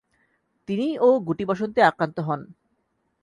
তিনি ও গুটিবসন্তে আক্রান্ত হন।